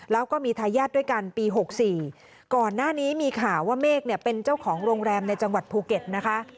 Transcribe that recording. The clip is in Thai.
แล้วก็มีทายาทด้วยกันปี๖๔ก่อนหน้านี้มีข่าวว่าเมฆเนี่ยเป็นเจ้าของโรงแรมในจังหวัดภูเก็ตนะคะ